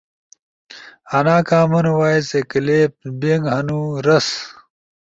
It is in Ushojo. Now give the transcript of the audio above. آنا کام ن وائے اے کلپس بنک ہنُو۔ رس